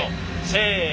せの。